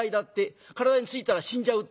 体についたら死んじゃうって」。